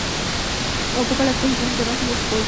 Ocupa las posiciones de base y escolta.